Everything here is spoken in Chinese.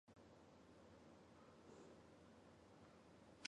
短瓣虎耳草为虎耳草科虎耳草属下的一个种。